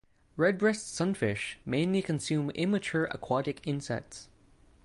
Redbreast sunfish mainly consume immature aquatic insects.